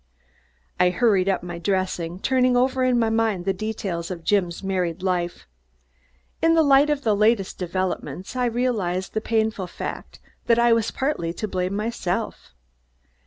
I hurried up my dressing, turning over in my mind the details of Jim's married life. In the light of the latest developments, I realized the painful fact that I was partly to blame myself.